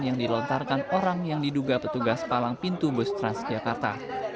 dan yang dilontarkan orang yang diduga petugas palang pintu bus transjakarta